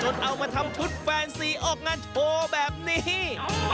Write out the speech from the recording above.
เอามาทำชุดแฟนซีออกงานโชว์แบบนี้